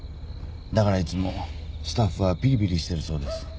だからいつもスタッフはぴりぴりしてるそうです。